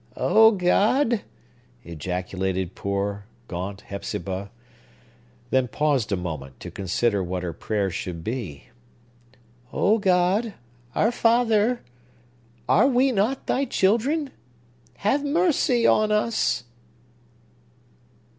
"O God!"—ejaculated poor, gaunt Hepzibah,—then paused a moment, to consider what her prayer should be,—"O God,—our Father,—are we not thy children? Have mercy on us!"